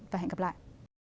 và hẹn gặp lại